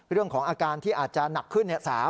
เรื่องของอาการที่อาจจะหนักขึ้น